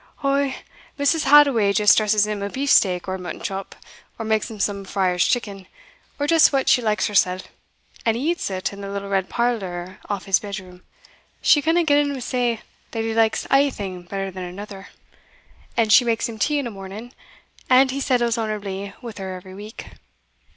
"Ou, Mrs. Hadoway just dresses him a beefsteak or a muttonchop, or makes him some Friar's chicken, or just what she likes hersell, and he eats it in the little red parlour off his bedroom. She canna get him to say that he likes ae thing better than anither; and she makes him tea in a morning, and he settles honourably wi' her every week."